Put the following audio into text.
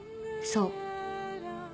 そう